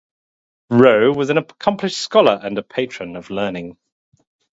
Roe was an accomplished scholar and a patron of learning.